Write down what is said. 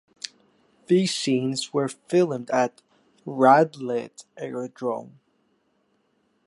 These scenes were filmed at Radlett Aerodrome.